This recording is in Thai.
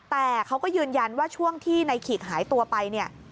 แต่เขาก็ยืนยันว่าช่วงที่ในขีกหายตัวไปเนี่ย